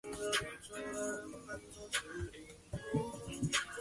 真田信胜为战国时代至江户时代初期武将。